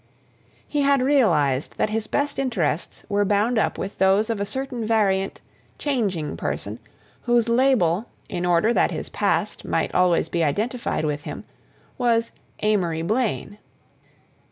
He had realized that his best interests were bound up with those of a certain variant, changing person, whose label, in order that his past might always be identified with him, was Amory Blaine.